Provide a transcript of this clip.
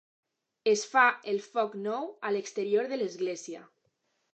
Es fa el foc nou a l'exterior de l'església.